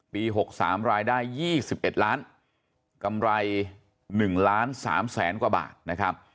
๖๓รายได้๒๑ล้านกำไร๑ล้าน๓แสนกว่าบาทนะครับ